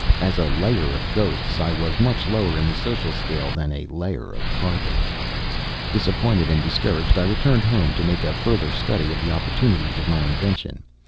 As a layer of ghosts I was much lower in the social scale than a layer of carpets. Disappointed and discouraged, I returned home to make a further study of the opportunities of my invention.